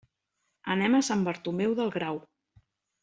Anem a Sant Bartomeu del Grau.